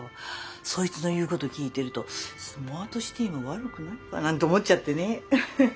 そいつの言うこと聞いてるとスマートシティも悪くないかなんて思っちゃってねウフフ。